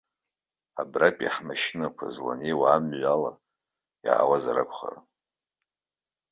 Абратәи ҳмашьынақәа зланеиуа амҩала иаауазар акәхарын.